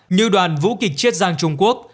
như đoàn vũ kịch chiết giang trung quốc